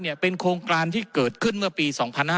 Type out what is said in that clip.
โครงการที่เกิดขึ้นเมื่อปี๒๕๕๙